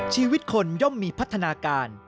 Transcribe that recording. ชีวิตคนย่อมมีพัฒนาการ